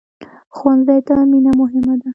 ښوونځی ته مینه مهمه ده